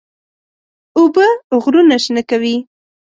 اوبه غرونه شنه کوي.